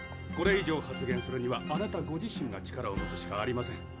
これ以上発言するにはあなたご自身が力を持つしかありません。